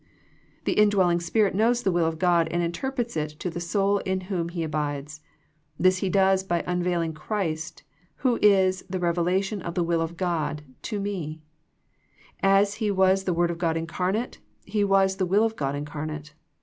The indwelling Spirit knows the will of God and interprets it to the soul in whom He abides. This He does by unveiling Christ, who is the revelation of the will of God to hs^.J As He was the Word of God incarnate. He was the will of God incarnate.